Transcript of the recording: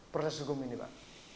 proses hukum ini pak